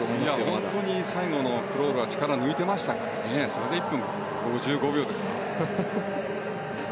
本当に最後のクロールは力を抜いていましたけどそれで１分５５秒ですか。